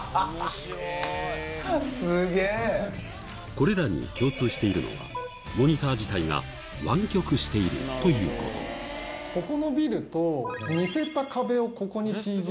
これらに共通しているのはモニター自体が湾曲しているということここのビルと似せた壁をここにＣＧで作って。